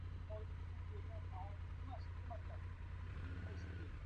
Xitoy «Tolibon»ni tan olishga tayyorligini bildirdi